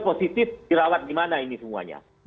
positif dirawat di mana ini semuanya